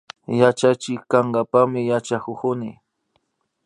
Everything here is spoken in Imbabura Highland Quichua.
Yachachik kankapakmi yachakukuni